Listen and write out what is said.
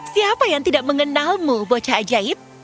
siapa yang tidak mengenalmu bocah ajaib